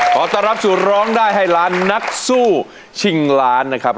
ขอต้อนรับสู่ร้องได้ให้ล้านนักสู้ชิงล้านนะครับ